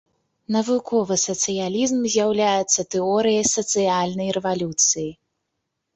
Навуковы сацыялізм з'яўляецца тэорыяй сацыяльнай рэвалюцыі.